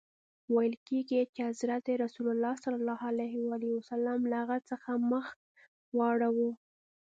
ویل کیږي چي حضرت رسول ص له هغه څخه مخ واړاوه.